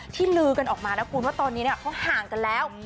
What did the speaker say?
ลือกันออกมานะคุณว่าตอนนี้เขาห่างกันแล้ว